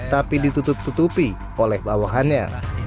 tapi ditutupi oleh bawahannya